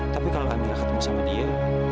tapi kalau anda ketemu sama dia